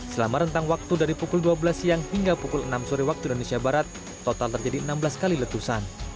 selama rentang waktu dari pukul dua belas siang hingga pukul enam sore waktu indonesia barat total terjadi enam belas kali letusan